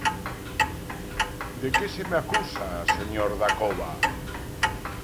¿De que se me acusa, señor Dacova?